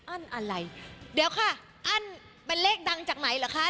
อะไรเดี๋ยวค่ะอั้นเป็นเลขดังจากไหนเหรอคะ